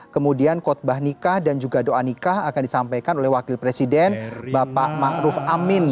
kemudian kotbah nikah dan juga doa nikah akan disampaikan oleh wakil presiden bapak ma'ruf amin